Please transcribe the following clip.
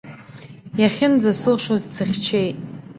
Иахьынӡасылшоз дсыхьчеит.